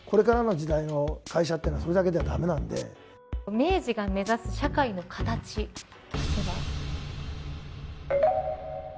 明治が目指す社会の形とは。